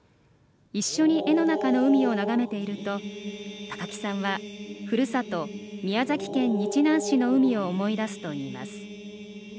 一緒に絵の中の海を眺めていると高木さんはふるさと・宮崎県日南市の海を思い出すといいます。